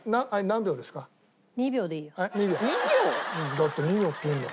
だって２秒って言うんだもん。